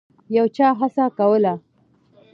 یو چا هڅه کوله.